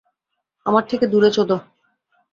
আমার থেকে দূরে চোদো!